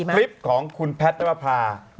คลิปของคุณพัทรพรา